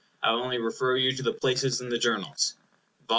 I will only refer you to the places in the Journals: Vol.